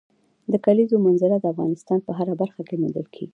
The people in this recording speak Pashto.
د کلیزو منظره د افغانستان په هره برخه کې موندل کېږي.